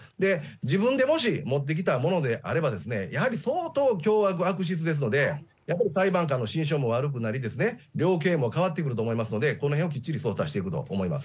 自分でもし、持ってきたものであればですね、やはり相当、凶悪、悪質ですので、これは裁判官の心証も悪くなりですね、量刑も変わってくると思いますので、このへんもきっちり捜査していくと思います。